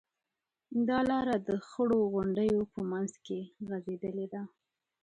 دا لاره د خړو غونډیو په منځ کې غځېدلې ده.